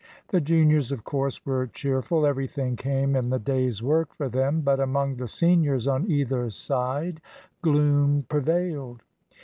The juniors of course were cheerful everything came in the day's work for them but among the seniors on either side gloom prevailed.